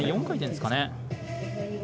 ４回転ですかね。